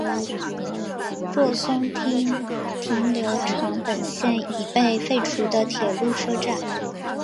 若松町停留场本线已被废除的铁路车站。